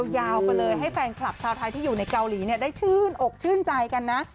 ยาวไปเลยให้แฟนคลับชาวไทยที่อยู่ในเกาหลีได้ชื่นอกชื่นใจกันนะ